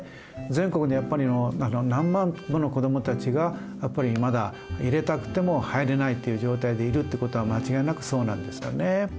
全国でやっぱり何万もの子どもたちがやっぱりまだ入れたくても入れないっていう状態でいるってことは間違いなくそうなんですよね。